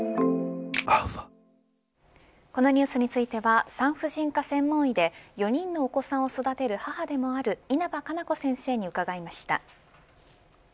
このニュースについては産婦人科専門医で４人のお子さんを育てる母でもある稲葉可奈子先生に伺いました。